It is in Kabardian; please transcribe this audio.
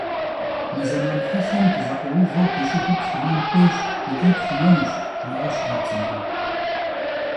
- Мы зэман хьэлъэм, дызэкъуэувэу, ди щӀыгур тхъумэн хуейщ икӀи тхъумэнущ, - жиӏащ Ардзинбэм.